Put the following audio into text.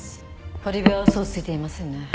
堀部はウソをついていませんね。